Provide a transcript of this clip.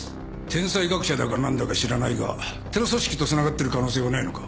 天才学者だかなんだか知らないがテロ組織と繋がっている可能性はないのか？